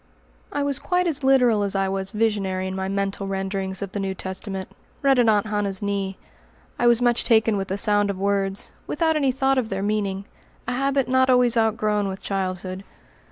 I was quite as literal as I was visionary in my mental renderings of the New Testament, read at Aunt Hannah's knee. I was much taken with the sound of words, without any thought of their meaning a habit not always outgrown with childhood.